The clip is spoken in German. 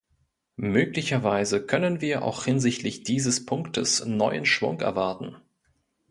Möglicherweise können wir auch hinsichtlich dieses Punktes neuen Schwung erwarten.